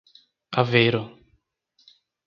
Aveiro